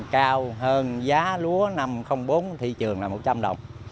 một trăm linh cao hơn giá lúa năm hai nghìn bốn thị trường là một trăm linh đồng